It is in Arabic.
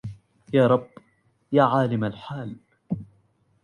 يا رب يا عالم الحال